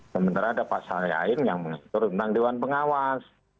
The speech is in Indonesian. sementara ada pasal lain yang mengatur undang undang pengawas